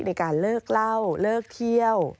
ในการเลิกเล่าเลิกเที่ยว